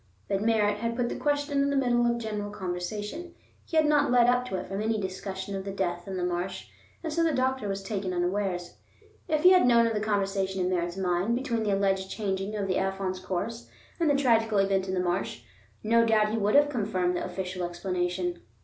But Merritt had put the question in the middle of general conversation; he had not led up to it from any discussion of the death in the marsh, and so the doctor was taken unawares. If he had known of the connection in Merritt's mind between the alleged changing of the Afon's course and the tragical event in the marsh, no doubt he would have confirmed the official explanation.